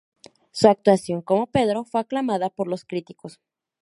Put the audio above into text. Su actuación como Pedro fue aclamada por los críticos.